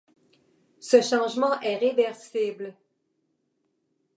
Ce changement est réversible.